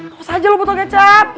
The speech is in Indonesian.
kamu saja lo butuh kecap